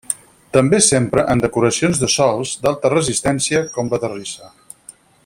També s'empra en decoracions de sòls d'alta resistència, com la terrissa.